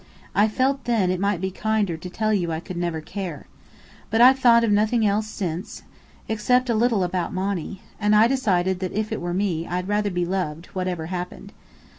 I felt then it might be kinder to tell you I could never care. But I've thought of nothing else since except a little about Monny and I decided that if it were me, I'd rather be loved, whatever happened.